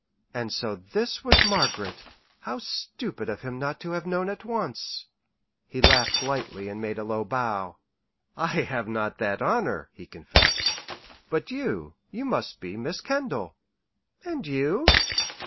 And so this was Margaret. How stupid of him not to have known at once! He laughed lightly and made a low bow. "I have not that honor," he confessed. "But you you must be Miss Kendall." "And you?"